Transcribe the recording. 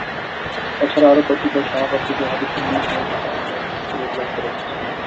তাছাড়া আরো কতিপয় সাহাবা থেকেও হাদীসটি বর্ণিত হয়েছে যা আমরা উপরে উল্লেখ করে এসেছি।